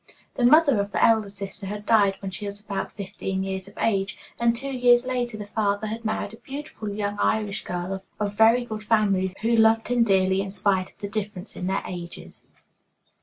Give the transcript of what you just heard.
The mother of the elder sister had died when she was about fifteen years of age, and two years later the father had married a beautiful young Irish girl of very good family, who loved him dearly in spite of the difference in their ages.